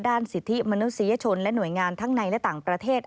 สิทธิมนุษยชนและหน่วยงานทั้งในและต่างประเทศ